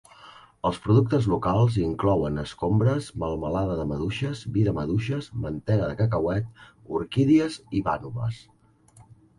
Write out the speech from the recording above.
Els productes locals inclouen escombres, melmelada de maduixes, vi de maduixes, mantega de cacauet, orquídies i vànoves.